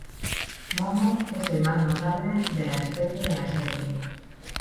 Momo es el más notable de la especie en la serie.